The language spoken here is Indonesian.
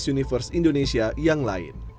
universe indonesia yang lain